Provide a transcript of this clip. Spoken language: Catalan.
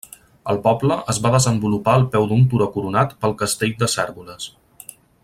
El poble es va desenvolupar al peu d'un turó coronat pel castell de Cérvoles.